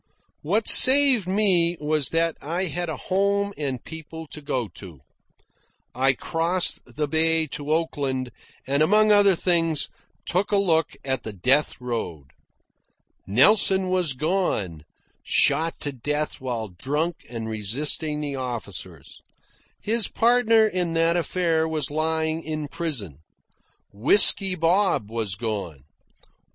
What saved me was that I had a home and people to go to. I crossed the bay to Oakland, and, among other things, took a look at the death road. Nelson was gone shot to death while drunk and resisting the officers. His partner in that affair was lying in prison. Whisky Bob was gone.